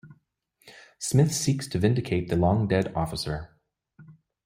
Smith seeks to vindicate the long-dead officer.